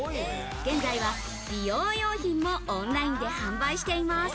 現在は美容用品もオンラインで販売しています。